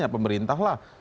ya pemerintah lah